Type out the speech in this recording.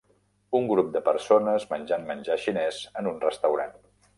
Un grup de persones menjant menjar xinès en un restaurant.